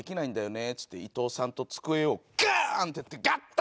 っつって伊藤さんと机をガーン！ってやって合体！